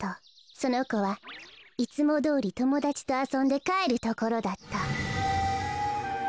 そのこはいつもどおりともだちとあそんでかえるところだった。